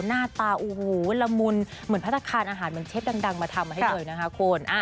หน้าตาและมือละมุนเหมือนพรรภาคานอาหารเชฟดังมาทำให้เดินนะครับขุน